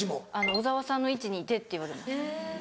小沢さんの位置にいてって言われます。